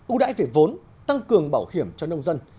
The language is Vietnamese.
ưu đãi về vốn tăng cường bảo hiểm cho nông dân